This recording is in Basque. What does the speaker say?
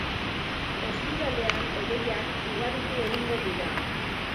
Ostiralean hodeiak ugaritu egingo dira.